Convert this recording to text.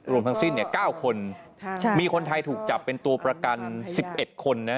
รวมทั้งสิ้น๙คนมีคนไทยถูกจับเป็นตัวประกัน๑๑คนนะ